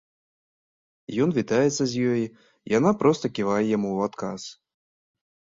Ён вітаецца з ёй, яна проста ківае яму ў адказ.